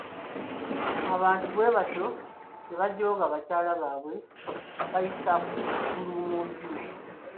Abantu bwe batyo tebajooga bakyala baabwe bayisa kugulu mu nju.